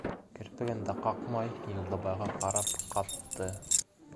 Керпеген дә ҡаҡмай, Юлдыбайға ҡарап ҡатты.